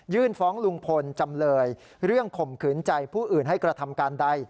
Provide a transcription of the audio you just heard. ฟ้องลุงพลจำเลยเรื่องข่มขืนใจผู้อื่นให้กระทำการใด